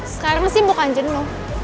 sekarang sih bukan jenuh